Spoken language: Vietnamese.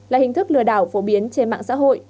là hình thức lừa đảo phổ biến trên mạng xã hội